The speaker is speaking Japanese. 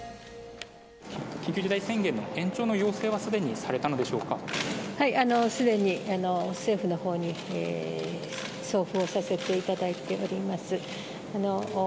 緊急事態宣言の延長の要請ははい、すでに政府のほうに送付をさせていただいております。